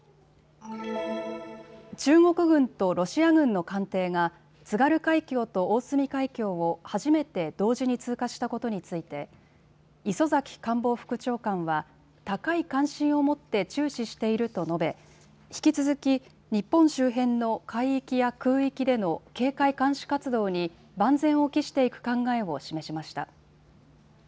中国軍とロシア軍の艦艇が津軽海峡と大隅海峡を初めて同時に通過したことについて磯崎官房副長官は高い関心を持って注視していると述べ、引き続き日本周辺の海域や空域での警戒・監視活動に万全を期していく考えを示しました。